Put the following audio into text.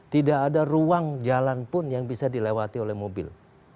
tidak ada ruang jalan pun yang bisa dilewati oleh mobil